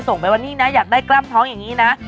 ส่งไปว่านี่นะอยากได้กล้ามท้องอย่างนี้นะ